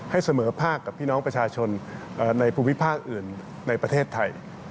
เสมอภาคกับพี่น้องประชาชนในภูมิภาคอื่นในประเทศไทย